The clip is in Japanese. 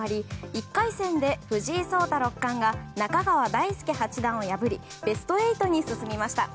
１回戦で藤井聡太六冠が中川大輔八段を破りベスト８に進みました。